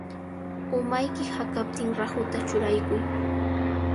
Umayki hakaptin rahuta churakuy.